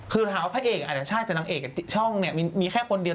คือถามว่าพระเอกอาจจะใช่แต่นางเอกช่องเนี่ยมีแค่คนเดียว